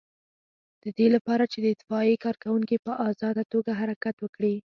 د دې لپاره چې د اطفائیې کارکوونکي په آزاده توګه حرکت وکړي.